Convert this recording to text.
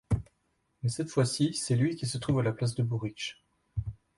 Mais cette fois-ci, c'est lui qui se trouve à la place de Burrich.